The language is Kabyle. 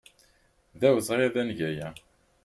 D awezɣi ad neg aya.